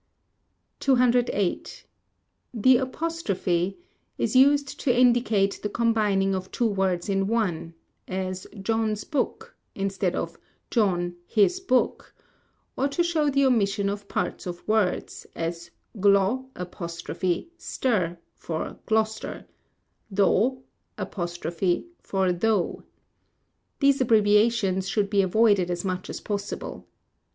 208. The Apostrophe ' is used to indicate the combining of two words in one, as John's book, instead of John, his book; or to show the omission of parts of words, as Glo'ster, for Gloucester tho' for though. These abbreviations should be avoided as much as possible.